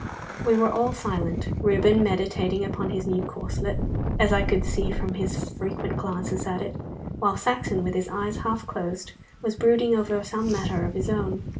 We were all silent, Reuben meditating upon his new corslet, as I could see from his frequent glances at it; while Saxon, with his eyes half closed, was brooding over some matter of his own.